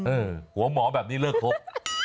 เออหัวหมอแบบนี้เลว์กพบ